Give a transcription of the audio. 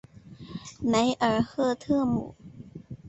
梅尔赫特姆。